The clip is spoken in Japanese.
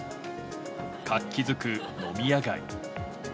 活気づく飲み屋街。